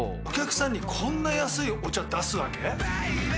お客さんにこんな安いお茶出すわけ？